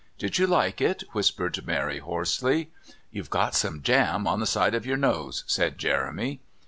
"Did you like it?" whispered Mary hoarsely. "You've got some jam on the side of your nose," said Jeremy.